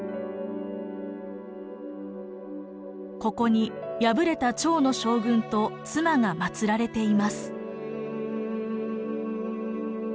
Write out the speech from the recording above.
ここに敗れた趙の将軍と妻が祀られています。